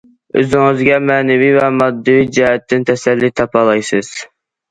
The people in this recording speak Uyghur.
ئۆزىڭىزگە مەنىۋى ۋە ماددىي جەھەتتىن تەسەللى تاپالايسىز.